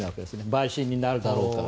陪審になるだろうから。